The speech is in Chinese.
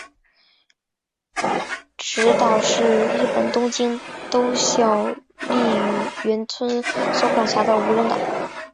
侄岛是日本东京都小笠原村所管辖的无人岛。